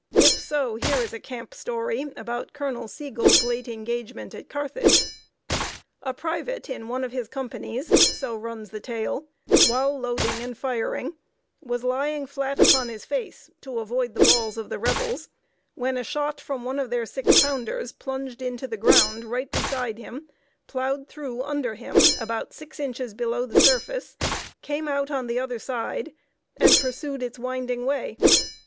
If so, here is a camp story about Colonel Sigel's late engagement at Carthage: A private in one of his companies (so runs the tale), while loading and firing, was lying flat upon his face to avoid the balls of the Rebels, when a shot from one of their six pounders plunged into the ground right beside him, plowed through under him, about six inches below the surface, came out on the other side, and pursued its winding way.